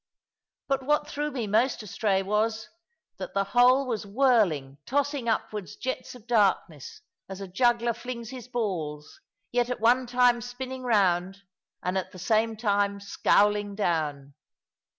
But what threw me most astray was, that the whole was whirling, tossing upward jets of darkness, as a juggler flings his balls, yet at one time spinning round, and at the same time scowling down.